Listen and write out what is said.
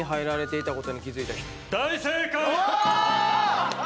大正解！